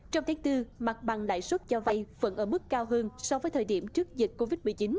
trong tháng bốn mặt bằng lãi suất cho vay vẫn ở mức cao hơn so với thời điểm trước dịch covid một mươi chín